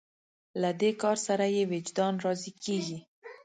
له دې کار سره یې وجدان راضي کېږي.